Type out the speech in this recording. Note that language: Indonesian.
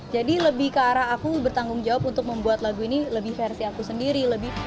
jadi lebih ke arah aku bertanggung jawab untuk membuat lagu ini lebih versi aku sendiri